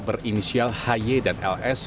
berinisial hye dan ls